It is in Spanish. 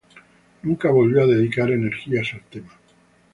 Nunca volvió a dedicar energías al tema.